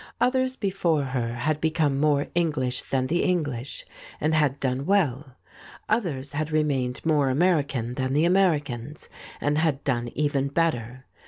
Others before her had become more English than the English, and had done well ; others had remained more American than the Americans, and had done even better.